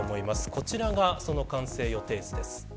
こちらが、その完成予定図です。